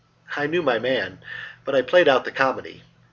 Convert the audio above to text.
I knew my man, but I played out the comedy.